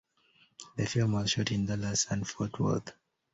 The film was shot in Dallas and Fort Worth.